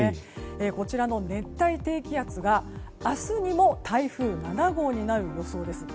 こちらの熱帯低気圧が明日にも台風７号になる予想です。